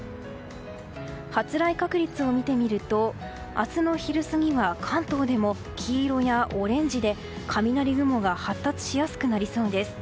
発雷確率を見てみると明日の昼過ぎは関東でも黄色やオレンジで雷雲が発達しやすくなりそうです。